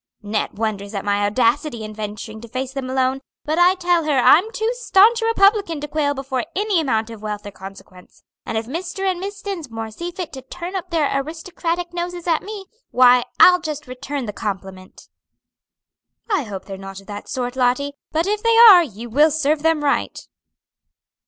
Net wonders at my audacity in venturing to face them alone; but I tell her I'm too staunch a republican to quail before any amount of wealth or consequence, and if Mr. and Miss Dinsmore see fit to turn up their aristocratic noses at me, why I'll just return the compliment." "I hope they're not of that sort, Lottie; but if they are, you will serve them right."